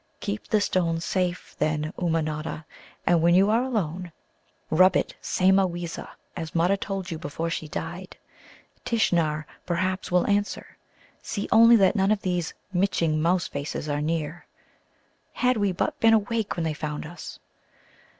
Keep the stone safe, then, Ummanodda, and, when you are alone, rub it Sāmaweeza as Mutta told you before she died. Tishnar, perhaps, will answer. See only that none of these miching mouse faces are near. Had we but been awake when they found us!..."